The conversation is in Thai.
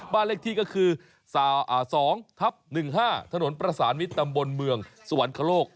บ้านเลขที่ก็คือ๒ทับ๑๕ถนนประสานมิตรตำบลเมืองสวรรคโลก